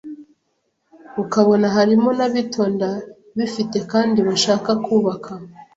ukabona harimo n’abitonda bifite kandi bashaka kubaka,